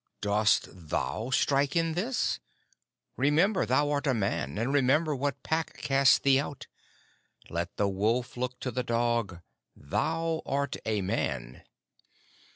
"Dost thou strike in this? Remember thou art a Man; and remember what Pack cast thee out. Let the Wolf look to the Dog. Thou art a Man."